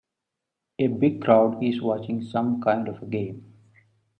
A big crowd is watching some kind of a game.